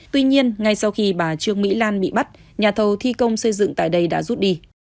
tuy nhiên ngay sau khi bà trương mỹ lan bị bắt nhà thầu thi công xây dựng tại đây đã rút đi